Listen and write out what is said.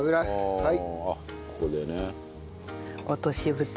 はい。